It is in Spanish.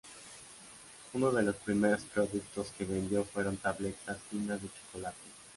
Uno de los primeros productos que vendió fueron tabletas finas de chocolate.